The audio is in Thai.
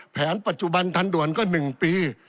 แผนปัจจุบันทันด่วนก็๑ปี